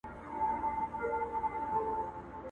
سیوری د ولي خوب د پېغلي پر ورنونه،